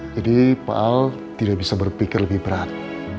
jadi pak al tidak bisa berpikir lebih berat